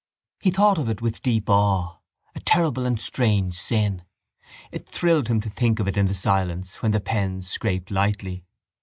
He thought of it with deep awe; a terrible and strange sin: it thrilled him to think of it in the silence when the pens scraped lightly.